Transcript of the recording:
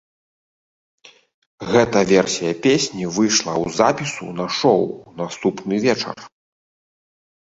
Гэта версія песні выйшла ў запісу на шоу ў наступны вечар.